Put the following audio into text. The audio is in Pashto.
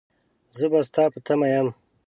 زه به ستا په تمه يم.